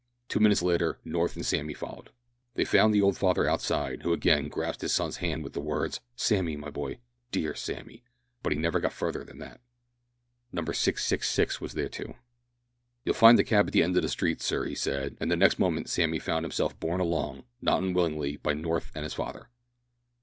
Two minutes later, North and Sammy followed. They found the old father outside, who again grasped his son's hand with the words, "Sammy, my boy dear Sammy;" but he never got further than that. Number 666 was there too. "You'll find the cab at the end of the street, sir," he said, and next moment Sammy found himself borne along not unwillingly by North and his father.